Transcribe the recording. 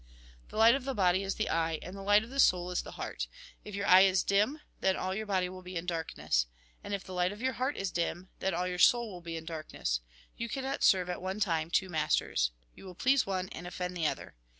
The light of the body is the eye, and the light of the soul is the heart. If your eye is dim, then all your body will be in darkness. And if the light of your heart is dim, then all your soul will be in darkness. You cannot serve at one time two masters. You will please one, and offend the other.